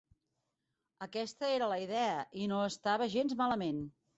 Aquesta era la idea, i no estava gens malament.